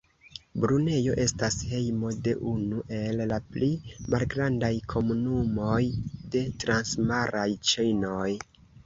Brunejo estas hejmo de unu el la pli malgrandaj komunumoj de transmaraj ĉinoj.